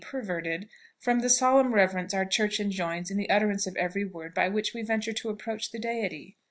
_ perverted from the solemn reverence our church enjoins in the utterance of every word by which we venture to approach the Deity.